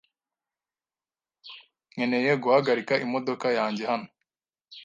Nkeneye guhagarika imodoka yanjye hano .